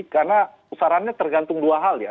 karena sarannya tergantung dua hal ya